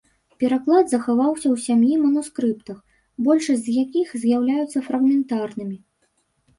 Пераклад захаваўся ў сямі манускрыптах, большасць з якіх з'яўляюцца фрагментарнымі.